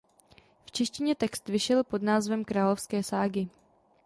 V češtině text vyšel pod názvem Královské ságy.